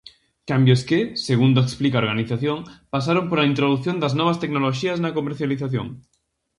Cambios que, segundo explica a organización, pasaron pola introdución das novas tecnoloxías na comercialización.